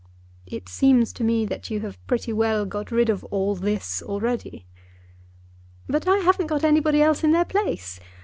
"It seems to me that you have pretty well got rid of 'all this' already." "But I haven't got anybody else in their place.